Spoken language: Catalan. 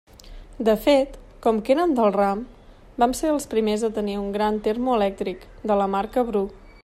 De fet, com que érem del ram, vam ser dels primers a tenir un gran termo elèctric, de la marca Bru.